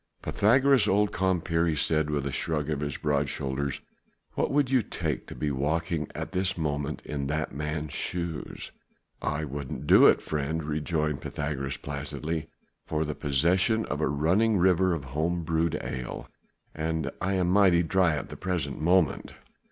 "Pythagoras, old compeer," he said with a shrug of his broad shoulders, "what would you take to be walking at this moment in that man's shoes?" "I wouldn't do it, friend," rejoined Pythagoras placidly, "for the possession of a running river of home brewed ale. And I am mightily dry at the present moment."